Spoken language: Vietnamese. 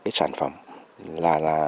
cái sản phẩm là